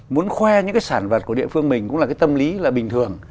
muốn khoe những cái sản vật của địa phương mình cũng là cái tâm lý là bình thường